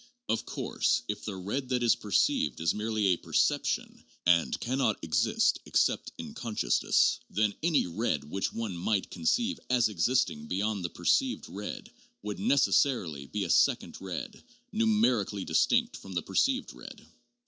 Of course, if the red that is perceived is merely a 'perception' and can not exist except 'in consciousness,' then any red which one might conceive as existing beyond the perceived red would necessarily be a second red, numerically distinct from the perceived red.